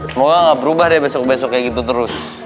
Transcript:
semoga gak berubah besok besok kayak gitu terus